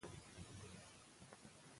پښتو ژبه زموږ د ملي هویت بنسټ دی.